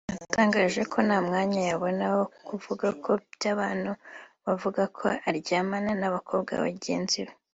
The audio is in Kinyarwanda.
yatangaje ko nta mwanya yabona wo kuvuga ku by’abantu bavuga ko aryamana n’abakobwa bagenzi be